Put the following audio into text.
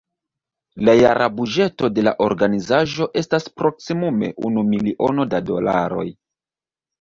La jara buĝeto de la organizaĵo estas proksimume unu miliono da dolaroj.